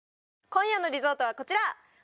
今夜のリゾートはこちら！